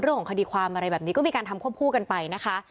เรื่องของคดีความอะไรแบบนี้ก็มีการทำควบคู่กันไปนะคะ